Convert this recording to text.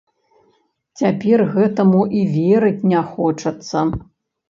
Цяпер гэтаму і верыць не хочацца.